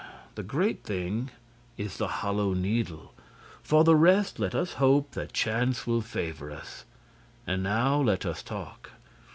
The great thing is the Hollow Needle. For the rest, let us hope that chance will favor us. And now, let us talk."